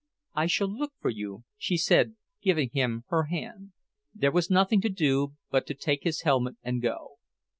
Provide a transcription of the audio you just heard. "I shall look for you," she said, giving him her hand. There was nothing to do but to take his helmet and go.